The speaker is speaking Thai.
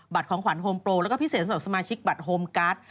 ของขวัญโฮมโปรแล้วก็พิเศษสำหรับสมาชิกบัตรโฮมการ์ด